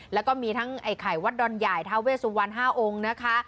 แล้วก็มีทั้งไอ้ไข่วัดดอนใหญ่ทาเวสุวรรณ๕องค์นะคะ